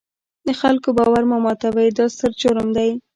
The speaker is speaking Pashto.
د خلکو باور مه ماتوئ، دا ستر جرم دی.